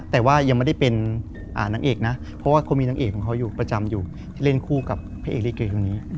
แต่ว่ายังไม่ได้เป็นนางเอกนะเพราะว่าเขามีนางเอกของเขาอยู่ประจำอยู่ที่เล่นคู่กับพระเอกลิเกคนนี้